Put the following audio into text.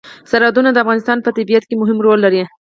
سرحدونه د افغانستان په طبیعت کې مهم رول لري.